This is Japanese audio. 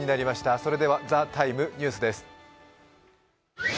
それでは「ＴＨＥＴＩＭＥ，ニュース」です